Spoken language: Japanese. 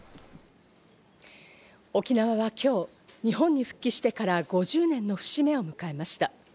沖縄は今日、日本に復帰してから５０年の節目を迎えました。